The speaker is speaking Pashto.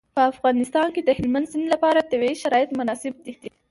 په افغانستان کې د هلمند سیند لپاره طبیعي شرایط مناسب دي.